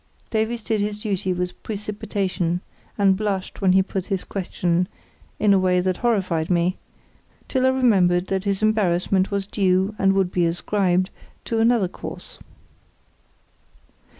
Davies did his duty with precipitation, and blushed when he put his question, in a way that horrified me, till I remembered that his embarrassment was due, and would be ascribed, to another cause.